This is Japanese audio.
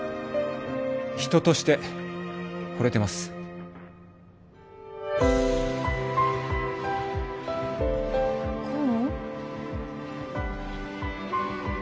人としてほれてます功？